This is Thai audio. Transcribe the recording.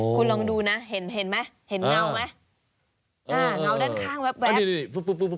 คุณลองดูนะเห็นเห็นไหมเห็นเหงาไหม